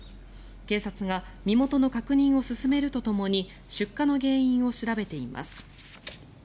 警察が身元の確認を進めるとともに出火の原因を調べています。